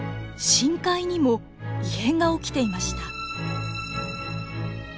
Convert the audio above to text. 深海にも異変が起きていました。